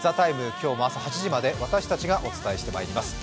今日も朝８時まで私たちがお伝えしてまいります。